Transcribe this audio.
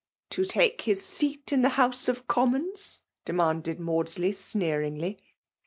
'' To take his scat in the House of Com mons ?*' demanded Maudsley, snceringly.